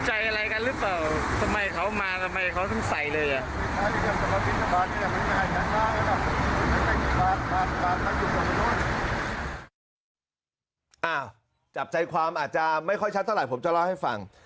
จับใจความอาจจะไม่ค่อยชัดเท่าไหร่ผมจะเล่าให้ฟัง